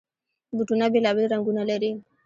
بوټونه بېلابېل رنګونه لري.